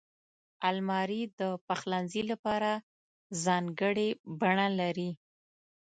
الماري د پخلنځي لپاره ځانګړې بڼه لري